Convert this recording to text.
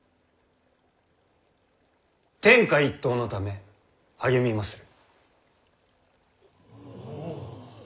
天下一統のため励みまする。